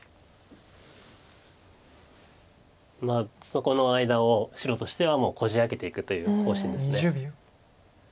そこの間を白としてはもうこじ開けていくという方針です。